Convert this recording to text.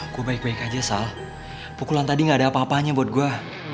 gue baik baik aja soal pukulan tadi gak ada apa apanya buat gue